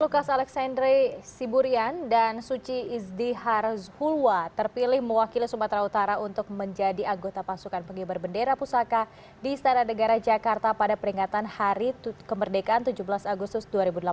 lukas alexandre siburian dan suci izdihar zhulwa terpilih mewakili sumatera utara untuk menjadi anggota pasukan pengibar bendera pusaka di istana negara jakarta pada peringatan hari kemerdekaan tujuh belas agustus dua ribu delapan belas